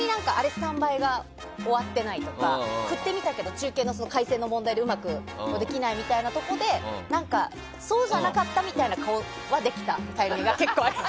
スタンバイが終わってないとか振ってみたけど中継の回線の問題でうまくできないみたいなとこでそうじゃなかったみたいな顔はできたタイミングが結構あった。